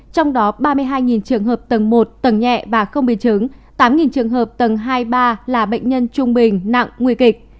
trong đó ba mươi hai trường hợp tầng một tầng nhẹ và không biến chứng tám trường hợp tầng hai ba là bệnh nhân trung bình nặng nguy kịch